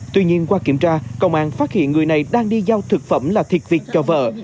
tuy nhiên qua kiểm tra công an phát hiện người này đang đi giao thực phẩm là thiệt việt cho vợ